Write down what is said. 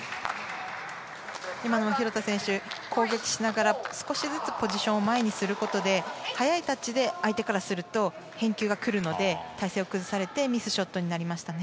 今の廣田選手攻撃しながら少しずつポジションを前にすることで早いタッチで相手からすると返球が来るので体勢を崩されてミスショットになりましたね。